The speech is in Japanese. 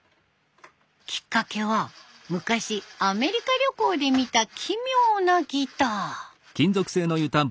きっかけは昔アメリカ旅行で見た奇妙なギター。